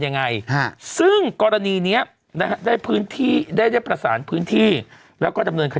ในฐาน